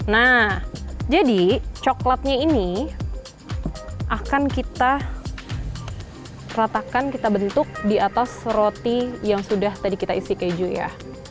nah jadi coklatnya ini akan kita ratakan kita bentuk di atas roti yang sudah tadi kita isi keju ya